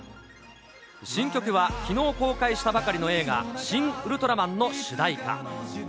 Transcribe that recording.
新曲はきのう公開したばかりの映画、シン・ウルトラマンの主題歌。